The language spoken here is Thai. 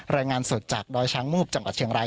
รายงานสดจากดอยช้างมูบจังหวัดเชียงราย